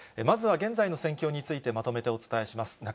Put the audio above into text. まずは現在の戦況についてまとめてお伝えします。